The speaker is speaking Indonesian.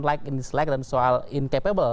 like and dislike dan soal incapable